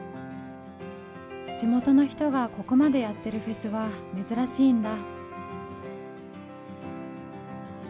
地元の人がここまでやってるフェスは珍しいんだ。